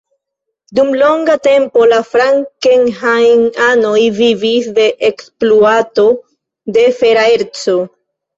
Dum longa tempo la frankenhain-anoj vivis de ekspluato de fera erco.